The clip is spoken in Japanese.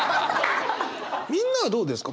みんなはどうですか？